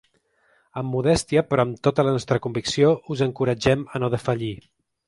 Amb modèstia però amb tota la nostra convicció, us encoratgem a no defallir.